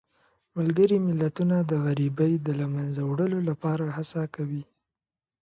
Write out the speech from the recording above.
ملګري ملتونه د غریبۍ د له منځه وړلو لپاره هڅه کوي.